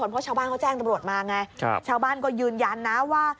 เพราะชาวบ้านเขาแจ้งตำรวจมาไงชาวบ้านก็ยืนยันนะว่า